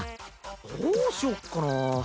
どうしよっかな？